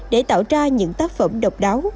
để tạo ra những tác phẩm độc đáo